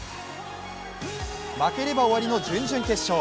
負ければ終わりの準々決勝。